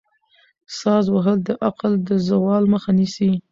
ساز وهل د عقل د زوال مخه نیسي.